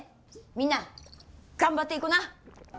みんな頑張っていこな！